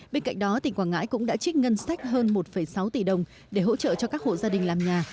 bên cạnh đó tỉnh quảng ngãi cũng đã trích ngân sách hơn một sáu tỷ đồng để hỗ trợ cho các hộ gia đình làm nhà